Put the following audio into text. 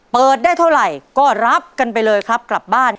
เปิดได้เท่าไหร่ก็รับกันไปเลยครับกลับบ้าน